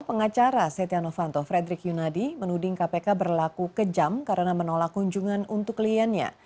pengacara setia novanto frederick yunadi menuding kpk berlaku kejam karena menolak kunjungan untuk kliennya